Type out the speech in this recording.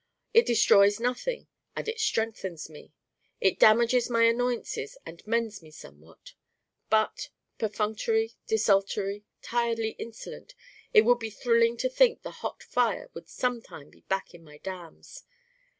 It destroys nothing and it strengthens me. It damages my annoyances and mends me somewhat. But perfunctory, desultory, tiredly insolent, it would be thrilling to think the hot fire would sometime be back in my Damns.